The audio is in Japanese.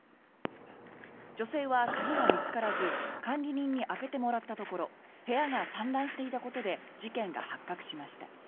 女性は鍵が見つからず管理人に開けてもらったところ部屋が散乱していたことで事件が発覚しました。